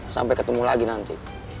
sampai ketemu lagi nanti